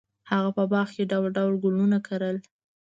هغه په باغ کې ډول ډول ګلونه لرل.